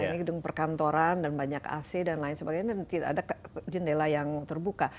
ini gedung perkantoran dan banyak ac dan lain sebagainya tidak ada jendela yang terbuka